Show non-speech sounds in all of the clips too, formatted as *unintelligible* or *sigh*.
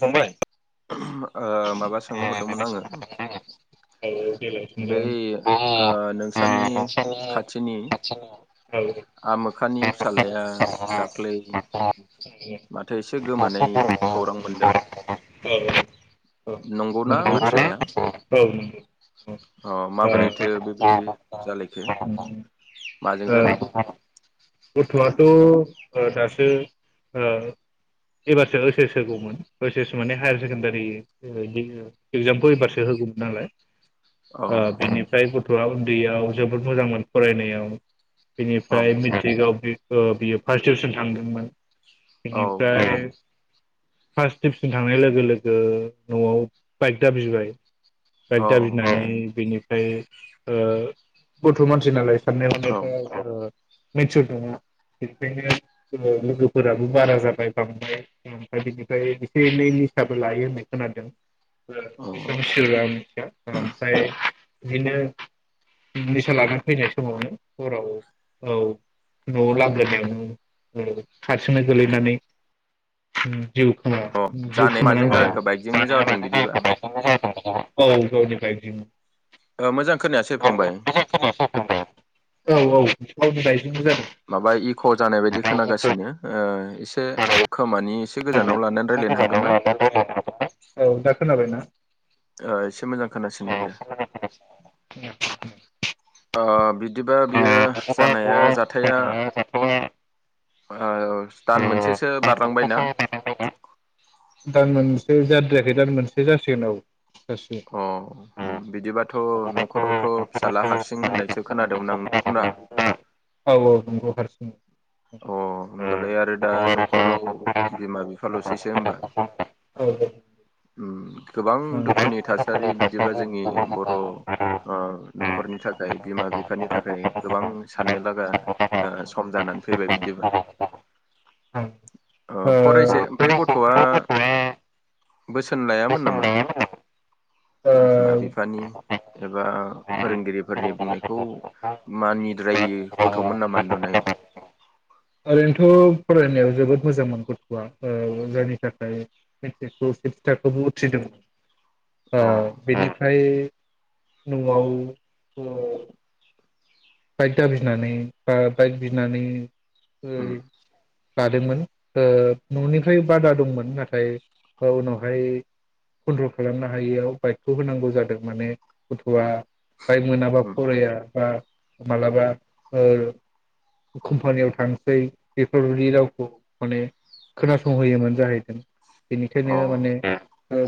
फंबाय ओ माबा सो सोंनो हरदोंमोन आङो औ देलाय बै बुंलाय औ ओ औ नोंसोरनि खाथिनि आमोखानि फिसाज्लाया दाख्लै माथो ओ गोमानाय खौरां मोनदों नंगौना नंगौ बाथ्राया औ नंगौ अ माबोरै ओ बेबायदि जालायख खो माजों जानाय गथवाथ ओ दासो ओ एबारसो ओइस एस होगौमोन ओइस एस माने हायार सेकेण्डारि एगजामखौ एबारसो होगौमोन नालाय औ बेनिफ्राय गथ गथआ उन्दैयाव जोबोद मोजांमोन फरायनायाव बिनिफ्राय *unintelligible* बियो फार्स्ट डिभिसन थांदोंमोन औ बिनिफ्राय फार्स्ट डिभिसन थांनाय लोगो लोगो नआव बाइक दाबिबाय बाइक औ दाबिनाय बेनि ओमफाय ओ गथ मानसि नालाय साननाय हनाय औ *unintelligible* मेचर नङा बेनिखायनो लोगोफोराबो बारा जाबाय बांदाय ओमफ्राय बिनिफ्राय एसे एनै निसाबो लायो होननाय खोनादों औ बेसेबां चियर आंबो *unintelligible* ओमफ्राय बिदिनो निसा लानानै फैनाय समावनो हराव औ नआव लागोनायावनो हारसिंनो गोलैनानै जिउ खोमा अ जिउ जानाय माजों खोमानानै जाखो बाइकजोंनो जादों बिदिबा औ गावनि बायकजोंनो ओ मोजां खोनायासेै फंबाय औ औ बाइकजोंनो जादों। माबा इक जानाय बायदि खोनागासिनो एसे खोमानि से गोजानाव लानानै रायज्लायनो हागोन ना खोनादोंना ओ एसे मोजां खोनासिनदों दे। *unintelligible* ओ बि बिदिबा बियो जानाया जाथाया। औ दान मोनसेसो बारलांबायना। दान मोनसे जाद्रायाखै दान मोनसे जासिगोन औ। अ जासिगोन। बिदिबाथ नखरावथ। फिसाला हारसि नों होननायसो खोनादोंमोन आं औ औ नंगौ हारसिं। औ होनोमबालाय आरो दा नखराव बिमा बिफालसैसो होनबा। औ दे उम गोबां दुखुनि थासारि बिदिबा जोंनि। बर ओ नखरनि थाखाय बिमा बिफानि थाखाय गोबां साननो लागा ओ सम जानानै फैबाय बिदिब्ला ओ फरायसे ओ बे गथआ बोसोन लायामोन नामा ओ बिमा बिफानि एबा फोरोंगिरिफोरनि बुंनायखौ मानिद्रायि गथमोन नामा नुनायाव। ओरैनोथ फरायनायाव जोबोद मोजांमोन गथआ ओ *unintelligible* उथ्रिदों। अ उम बेनिफ्राय न'आव ओ बाइक दाबिनानै बा बाइक बिनानै उम ओइ लादोंमोन ओ ननिफ्राय बादा दंमोन नाथाय ओ उनावहाय कन्ट्रल खालामनो हायियाव बाइकखौ होनांगौ जादों माने गथआ बायक मोनाबा उम फराय बा मालाबा ओ कम्पानियाव थांसै बेफोरबायदि रावखौ माने खोनासंहोयोमोन जाहैदों। अ बेनिखायनो माने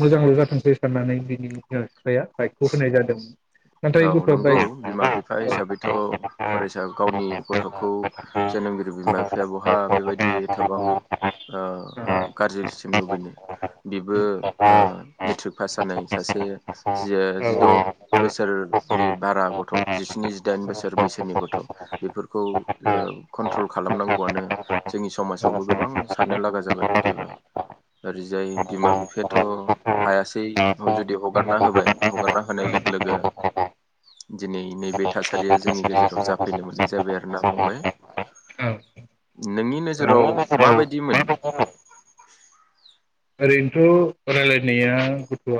मोजांल जाथोंसै साननानै बिनि बिमा बिफाया बाइकखौ होनाय जादोंमोन। नाथाय औ गथ'आ नंगौ बाइक बिमा बिफा हिसाबै थ फरायसा गावनि गथखौ जोनोमगिरि बिमा बिफाया बहा बेबायदि एथबां औ ओ औ *unintelligible* गारज्रिसिम लुबैनो बेबो औ ओ औ मेट्रिक पास जानाय सासे जि ओ जिद बोसोरनि बारा गथ जिस्नि जिदाइन बोसोर बैसोनि गथ बेफोरखौ ओ कन्ट्रल खालामनांगौआनो जोंनि समाजावबो गोबां साननो लागा जाबाय बिदिबा ओरैजाय बिमा बिफायाथ' हायासै जुदि हगारना होबाय हगारना होनाय लोगो लोगो दिनै नैबे थासारिया जोंनि गेजेराव जाफैनो मोननाय जाबाय आरो ना फंबाय नोंनि नोजोराव नोंनि नोजोराव माबायदि मोन ओरैनोथ' रायलायनाया गथआ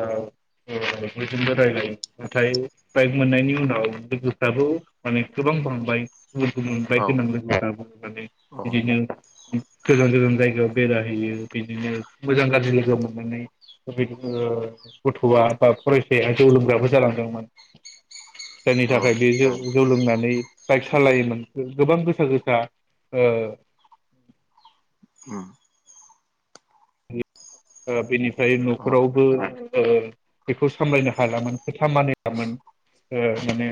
बयजोंबो रायजलायो नाथाय बाइक मोननायनि उनाव लोगोफ्राबो माने गोबां बांबाय *unintelligible* औ औ इदिनो गोजान गोजान जायगायाव बेराय हैयो बिदिनो मोजां गाज्रि लोगो मोननानै बेदिनो गथआ बा फरायसाया जौ लोंग्राबो जालांदोंमोन। जायनि औ थाखाय बे जौ जौ लोंना नै बाइक सालायोमोन गोबां गोसा गोसा ओ उम ओ बेनिफ फ्राय अ नखरावबो ओ बेखौ सामलायनो हलामोन खोथा मानिलामोन ओ माने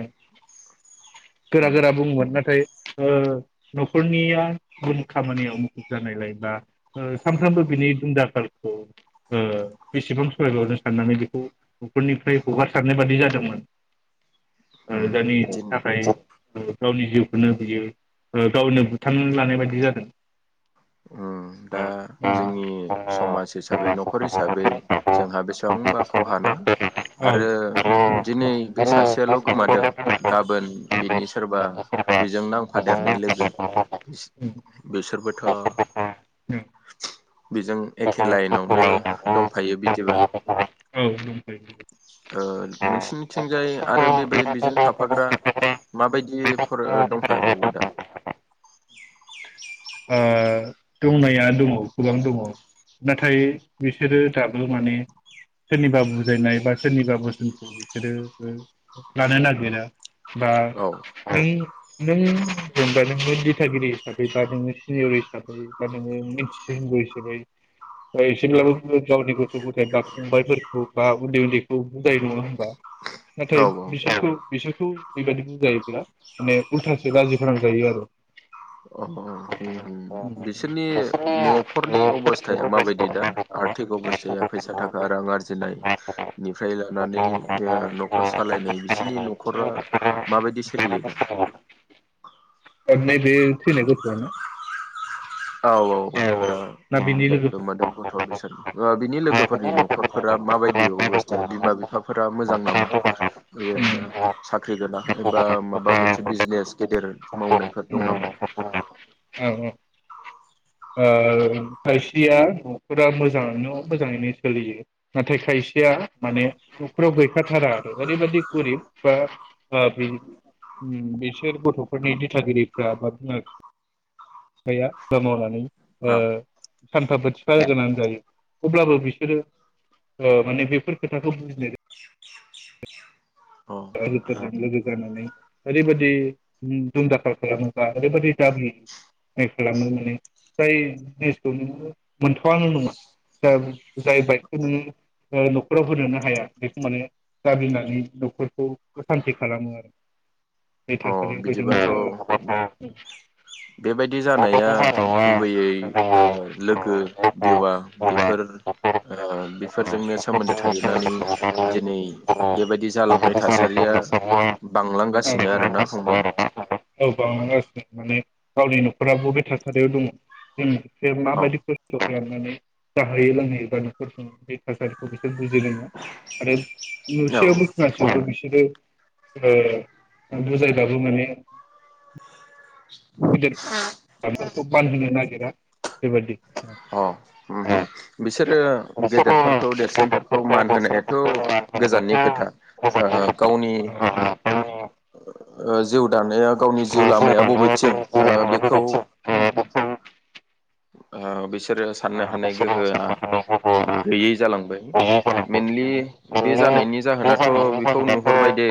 गोरा उम गोरा बुङोमोन नाथाय ओ नखरनिया गुबुन खामानियाव मुखुब जानायलाय बा ओ सानफ्रोमबो बिनि दुम दाखाल उम ओ बेसेबां सहायबावनो साननानै बेखौ नखरनिफ्राय हगारसारनाय बादि जादोंमोन। ओ उम जायनि दिन थाखाय ओ गावनि जिउखौनो बियो गावनो बुथारनानै लानाय बायदि जादों। उम दा जोंनि समाज हिसाबै नखर हिसाबै जोंहा बेसेबांबा खहा ना औ आरो दंखायो दिनै बे ओ सासेयाल गोमादों गाबोन बिनि सोरबा बेजों नांफादेरनाय लोगो *unintelligible* *unintelligible* बिसोरबो थ' बेजों एखे लाइनावनो दंफायो बिदिबा औ दंफायो। ओ नोंसिनिथिंजाय आरो बेबाय बिजों थाफाग्रा माबायदि फोर ओ दंफा बावो दा? दंनाया दङ गोबां दङ नाथाय बिसोरो दाबो माने सोरनिबा बुजायनाय बा सोरनिबा बोसोनखौ बिसोरो लानो नागिरा बा औ *unintelligible* नों जेनबा नोंबो दिथागिरि हिसाबै बा नोङो सिनियर हिसाबै बा नोङो मिथि *unintelligible* हिसाबै एसेब्लाबो गावनि गथ' गथाय बा फंबायफोरखौ बा उन्दै उन्दैखौ बुजायो नङा होनबा? औ नाथाइ बिसोरखौ बिसोर *unintelligible* बेबायदि बुयोब्ला माने उल्थासो लाजि फोनां जायो आरो। अ अ उम उम बिसोरनि नि न'खरनि अब'स्थाया माबायदि दा आर्थिक अब'स्थाया फैसा थाखा रां आरजिनायनिफ्राय लानानै न'खर सालायनाय आरो बिसिनि न'खरा माबायदि सोलियो दा? नै बेे थैनाय गथ'आ ना? औ औ दा ना बिनि जाय लोगोफोर गोमादों औ गथ' बिसोरनि बा बिनि लोगोफोरनि न'खरफोरा माबायदि अबस *unintelligible* बिमा बिफाफोरा मोजां नामा? जेनेबा साख्रि गोनां एबा माबा मोनसे बिजनेस गेदेर मावनायफोर दं नामा? औ औ ओ खायसेया न'खरा मोजाङानो मोजाङैनो सोलियो नाथाय खायसेया माने न'खराव गैखाथारा ओरैबादि गोरिब बा ओ बिसोर गथ' फोरनि दिथागिरिफ्रा बा बिमा बिफाया हाबा मावनानै ओ हा सानफा बोथिफा गोनां जायो अब्लाबो बिसोरो औ माने बेफोर खोथाखौ बुजिनो अ *unintelligible* लोगो जानानै ओरैबायदि दुमदाखाल खालामो बा ओरैबायदि दाबि खालामो माने जाय जिनिसखौ नोङो मोनथावानो नङा दा जाय बाइकखौ नोङो न'खराव होनो हाया बेखौ माने दाबिनानै न'खर औ असान्थि खालामो आरो बे अ बिदिबाथ' थासारियाव बेबायदि जानाया गुबैयै लोगो दिवा फैदों बेफोर औ बेफोरजोंनो सोमोन्दो थाहैनानै सोमोन्दो दिनै थायोब्लानो बेबायदि जालांनाय जोङो थासारिया बेबायदि जालांनो बांलांगासि *unintelligible* औ बांलांगासिनो माने गावनि न'खरा बबे थासारियाव दङ जों बे औ माबायदि खस्थ' खालामो *inaudible* जाहै लोंहोयो बा *inaudible* बे थासारिखौ बि सोर बुजिगोन ना आरो औ नुसेयावबो खोनासे आरो बिसोरो औ बुजायबाबो माने गिदिर *unintelligible* बानहोनो नागिरा बेबादि। अ उम उम बिसोरो बिसोरो गेदेरफोरखौ देरसिनफोरखौ मान गथ'फोरखौ होनायाथ मान गोजाननि खोथा ओ होनोबोथ' गावनि मोजाङै ओ जिउ दानाया गावनि जिउ लामाया बबेथिं ओ बेखौ अ बैसोरो सान्नो हानाय गोहोआ गैयै जालांबाय। मेनलि बे जानायनि जाहोनाथ बेखौ नुहरबाय दे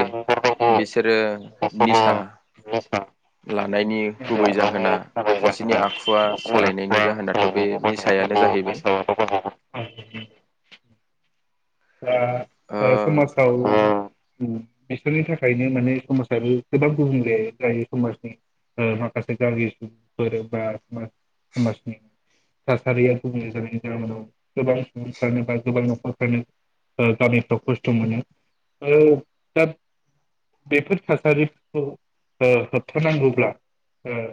बिसोरो निसा लानायनि गुबै जाहोना बिसोरनि आखुआ सोलायनायनि जाहोनाथ बे निसायानो जाहैबाय। दा ओ समाजाव ओम बिसोरनि थाखायनो माने समाजाबो गोबां गुबुंले जायो समाजनि ओ माखासे गामि सुबुंफोर बा समा समाजनि थासारिया गुबुंले जानायनि जाहोनाव गोबां सुबुंफ्रानो बा गोबां नखरफ्रानो ओ गामि ओन्सोलाव खस्थ मोनो ओ दा बेफोर थासारिखौ ओ होबथानांगौब्ला ओ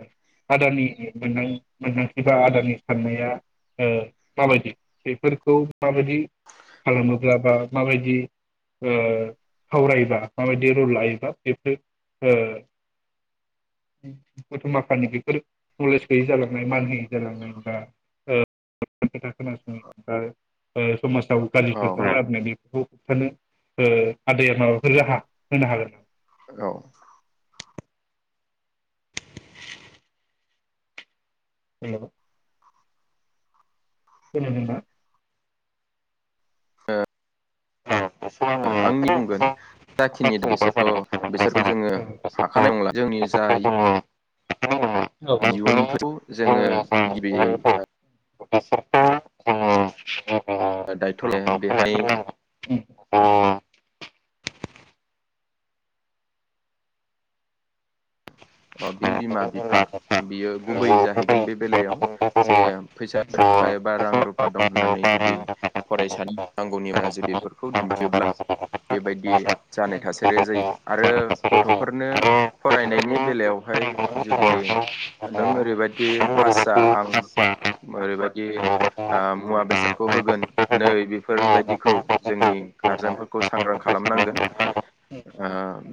आदानि मोनां मोनदांथि बा आदानि सान्नाया ओ माबायदि बेफोरखौ माबायदि खालामोब्ला बा माबायदि ओ सावरायोबा माबायदि रल लायोबा बेफोरो ओ गथ' माखानि बेफोर नलेज गैयि जालांनाय मान होयै जालांनाय बा ओ खोथा खोनासङि बा ओ समाजाव गाज्रि औ भाखा बुंनायनि *inaudible* बेफोरनि ओ आदाया माबाफोर राहा होनो हागोन? औ। हेलौ। खोनादों ना? *inaudible* औ। आंनि बुंगोन जाखिनि बिसोरथ बिसोरखौ जोङो हाखानाय नंला जोंनि जा *inaudible* इयुनफोरखौ जोङो गिबियै ओ *inaudible* दायथ लाया बेहाय अ बि बिमा बिफा बियो गुबै जाहैगोन बे बेलायाव औ औ जे उम फैसा थाखा एबा रां रुफा दं होन्नानै जुदि फरायसानि नांगौनि बारा रा जुदि बेफोरखौ दिन्थियोब्ला बेबायदि जानाय थासारिया जायो आरो गथ'फोरनो फरायनायनि बेलायावहाय जुदि नों ओरैबायदि पास जा आं ओरैबायदि मुवा बेसादखौ होगोन नै बेफोरबायदिखौ जोंनि गार्जेनफोरखौ सांग्रां खालामनांगोन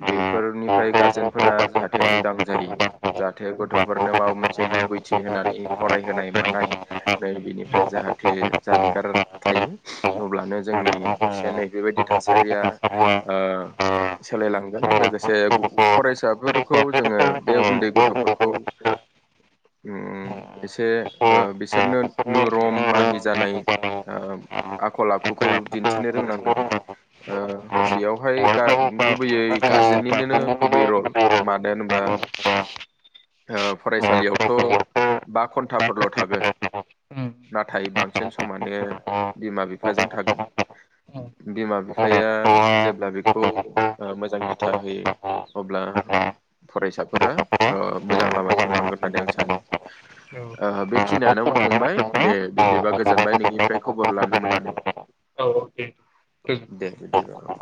बेफोरनिफ्राय गार्जेनफोरा जाहाथे जाहाथे उदां जायो जाहाथे गथ'फोरनो माबा मोनसे लुबैथि होनानै फरायहोनाय मानाय नै बिनिफ्राय जाहाथे जानगार थायो अब्लानो जोंनि एसे एनै बेबायदि थासारिया ओ सोलायलांगोन लोगोसे फरायसाफोर खौ जोङो बे उन्दै गथ'फोरखौ उम एसे ओ बिसोरनो नुरम माहि जानाय ओ आखल आखुखौ दिन्थिनो रोंनांगोन। ओ बेयावहाय गुबैयै गारजेन्निनो गुबै रल मानो होनबा फरायसालियावथ बा घन्टाफोरल' थागोन नाथाय बांसिन समानो बिमा बिफाजों थागोन बिमा बिफाया जेब्ला बेखौ औ मोजां बेखिनियानो बिथा बुंदोंमोन होयो अब्ला फरायसाफोरा ओ मोजां लामाथिं थांगोन होन्नानै आं सानो। ओ बेखिनियानो औ फंबाय दे बिदिबा गोजोनबाय नोंनिफ्राय खबर लानो मोन्नानै औ दे दे बिदिबा औ। गोजोनथों